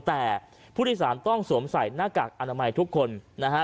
แต่ผู้โดยสารต้องสวมใส่หน้ากากอนามัยทุกคนนะฮะ